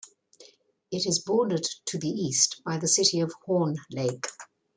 It is bordered to the east by the city of Horn Lake.